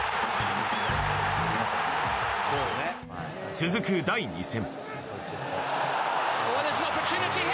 続く第２戦。